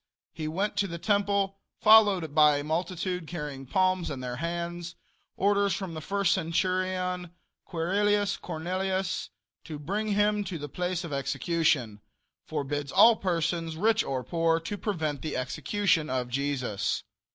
He went to the temple followed by a multitude carrying palms in their hands. Orders from the first centurion Quirrillis Cornelius to bring him to the place of execution. Forbids all persons, rich or poor, to prevent the execution of Jesus.